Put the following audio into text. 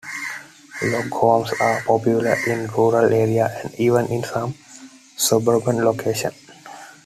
Log homes are popular in rural areas, and even in some suburban locations.